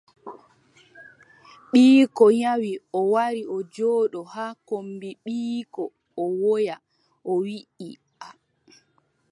Ɓiiyiiko nyawi, o wara o jooɗo haa kombi ɓiiyiiko o woya o wiiʼa.